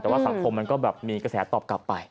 แต่ว่าสังคมมันก็แบบมีกระแสตอบกลับไป